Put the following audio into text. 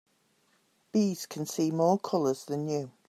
Bees can see more colors than you.